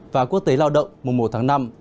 và quốc tế lao động mùa một tháng năm